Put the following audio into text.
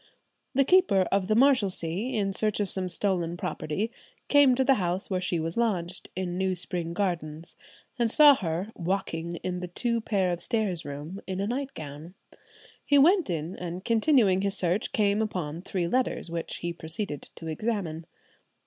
The keeper of the Marshalsea, in search of some stolen property, came to the house where she lodged, in New Spring Gardens, and saw her "walking in the two pair of stairs room in a nightgown." He went in, and continuing his search, came upon three letters, which he proceeded to examine.